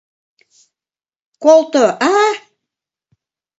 — Колто, а?